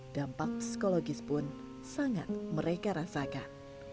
dampak psikologis pun sangat mereka rasakan